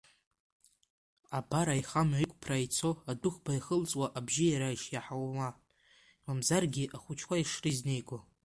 Абар аихамҩа иқәԥраа ицо адәыӷба иахылҵуа абжьы иара ишиаҳауа, мамзаргьы ахәыҷқәа ишрызнеиго…